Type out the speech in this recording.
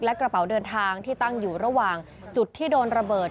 และกระเป๋าเดินทางที่ตั้งอยู่ระหว่างจุดที่โดนระเบิด